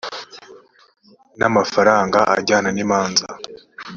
n amafaranga ajyana n imanza